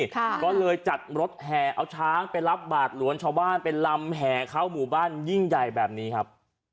ก็เลยจัดรถแห่เอาช้างไปรับบาทหลวนชาวบ้านไปลำแห่เข้าหมู่บ้านยิ่งใหญ่แบบนี้ครับ